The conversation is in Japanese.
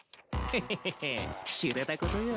ヘヘヘヘ知れたことよ。